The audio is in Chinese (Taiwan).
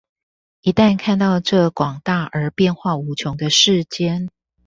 一旦看到這廣大而變化無窮的世間